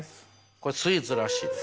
これスイーツらしいです。